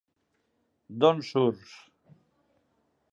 D'on surts?